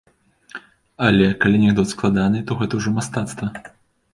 Але, калі анекдот складаны, то гэта ўжо мастацтва.